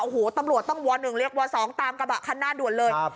โอ้โหตำรวจต้องวอหนึ่งเรียกวอสองตามกระบะคันหน้าด่วนเลยครับ